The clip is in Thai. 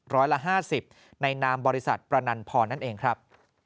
ร้อยละ๕๐ในนามบริษัทประนันพรนั่นเองครับ